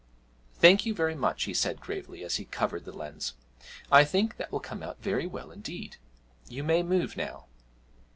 'Thank you very much,' he said gravely as he covered the lens; 'I think that will come out very well indeed. You may move now.'